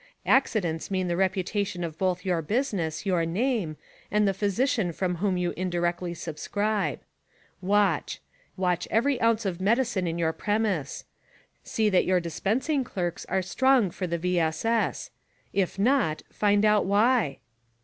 Acci dents mean the reputation of both your business, your name and the physician for whom you indirectly subscribe. Watch : Every ounce of medicine in your premise; see that your dispensing clerks are strong for the V. S. S. If not, find out why?